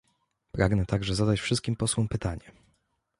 Pragnę także zadać wszystkim posłom pytanie